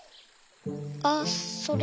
あっそれ。